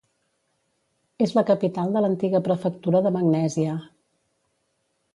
És la capital de l'antiga prefectura de Magnèsia.